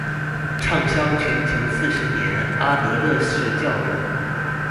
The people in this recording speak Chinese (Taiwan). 暢銷全球四十年阿德勒式教養